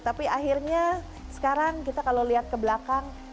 tapi akhirnya sekarang kita kalau lihat ke belakang